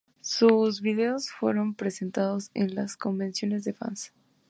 Sus videos fueron presentados en las convenciones de fans.